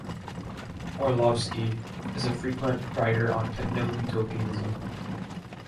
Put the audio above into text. Orlowski is a frequent writer on techno-utopianism.